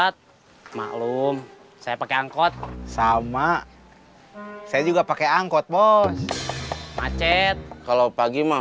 tapi nanti jangan dipanggil bos